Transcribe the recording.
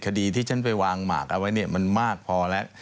คดีที่ฉันไปวางหมากเอาไว้เนี่ยมันมากพอแล้ว